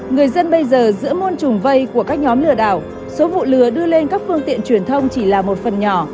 người dân bây giờ giữa môn trùng vây của các nhóm lừa đảo số vụ lừa đưa lên các phương tiện truyền thông chỉ là một phần nhỏ